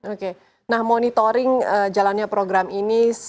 oke nah monitoring jalannya program ini